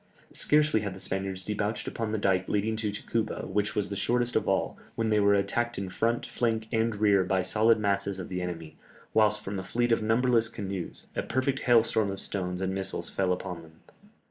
Scarcely had the Spaniards debouched upon the dike leading to Tacuba, which was the shortest of all, when they were attacked in front, flank, and rear by solid masses of the enemy, whilst from a fleet of numberless canoes, a perfect hailstorm of stones and missiles fell upon them.